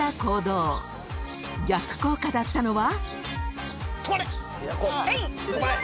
［逆効果だったのは？］